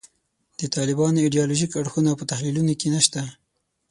د طالبانو ایدیالوژیک اړخونه په تحلیلونو کې نشته.